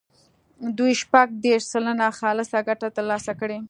دوی شپږ دېرش سلنه خالصه ګټه ترلاسه کړي.